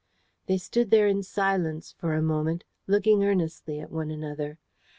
They stood there in silence for a moment, looking earnestly at one another.